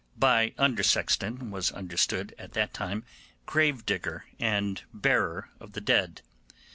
By undersexton was understood at that time gravedigger and bearer of the dead.